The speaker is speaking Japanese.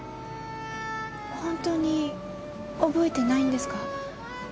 本当に覚えてないんですか？